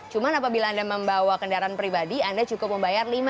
cuma apabila anda membawa kendaraan pribadi anda cukup membayar lima rupiah